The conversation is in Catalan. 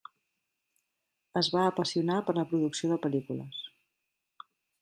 Es va apassionar per la producció de pel·lícules.